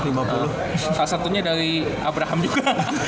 salah satunya dari abraham juga